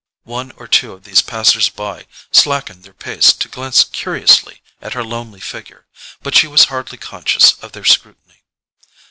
One or two of these passers by slackened their pace to glance curiously at her lonely figure; but she was hardly conscious of their scrutiny.